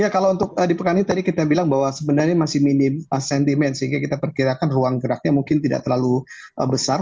ya kalau untuk di pekan ini tadi kita bilang bahwa sebenarnya masih minim sentimen sehingga kita perkirakan ruang geraknya mungkin tidak terlalu besar